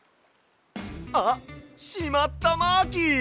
あっしまったマーキー！